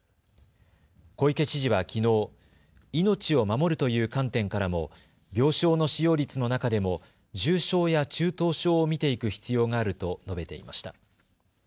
小池知事はきのう、命を守るという観点からも病床の使用率の中でも重症や中等症を見ていく必要があると述べていました。